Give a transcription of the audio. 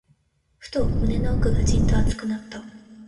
ふと、胸の奥がじんと熱くなった。